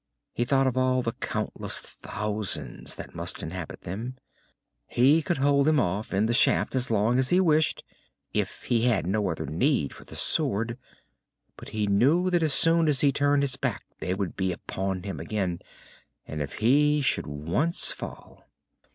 He thought of all the countless thousands that must inhabit them. He could hold them off in the shaft as long as he wished if he had no other need for the sword. But he knew that as soon as he turned his back they would be upon him again, and if he should once fall....